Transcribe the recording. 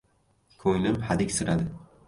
Ko‘nglim hadiksiradi.